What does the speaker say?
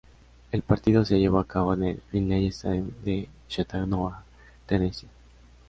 El partido se llevó a cabo en el Finley Stadium de Chattanooga, Tennesse.